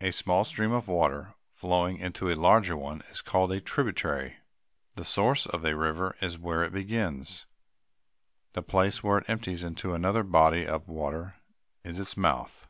A small stream of water flowing into a larger one is called a tributary. The source of a river is where it begins. The place where it empties into another body of water is its mouth.